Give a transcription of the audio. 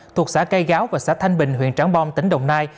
thuộc xã cây gáo và xã thanh bình huyện trảng bom tỉnh đồng nai